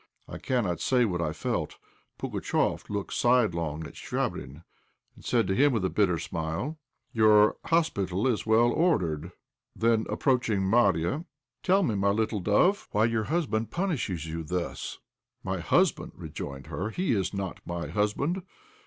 I cannot say what I felt. Pugatchéf looked sidelong at Chvabrine, and said to him with a bitter smile "Your hospital is well ordered!" Then, approaching Marya, "Tell me, my little dove, why your husband punishes you thus?" "My husband!" rejoined she; "he is not my husband.